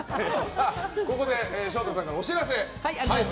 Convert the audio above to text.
ここで昇太さんからお知らせです。